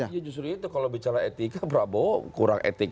ya justru itu kalau bicara etika prabowo kurang etik